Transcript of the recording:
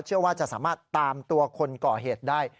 เชื่อว่าจะสามารถตามตัวคนก่อเหตุได้